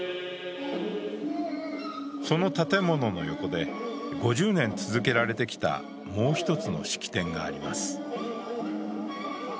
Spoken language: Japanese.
その建物の横で、５０年続けられてきたもう一つの式典があります。